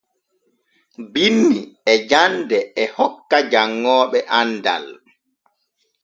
Binni e jande e hokka janŋooɓe andal.